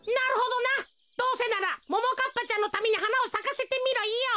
どうせならももかっぱちゃんのためにはなをさかせてみろよ。